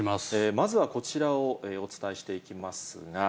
まずはこちらをお伝えしていきますが。